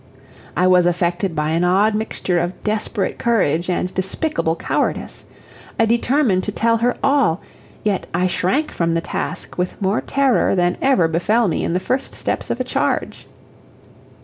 I was affected by an odd mixture of desperate courage and despicable cowardice. I determined to tell her all, yet I shrank from the task with more terror than ever befell me in the first steps of a charge.